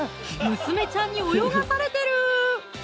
娘ちゃんに泳がされてる！